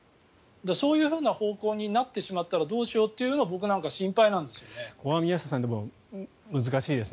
そういうふうな方向になってしまったらどうしようっていうのが僕なんかは心配なんです。